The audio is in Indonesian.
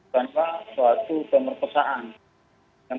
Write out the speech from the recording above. tanpa suatu pemerintahan